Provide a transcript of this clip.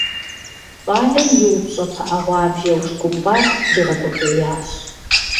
Щӏалэм и упщӀэ пыӀэ гъуабжэ ушкӀумпӀар дригъэкӀуэтеящ.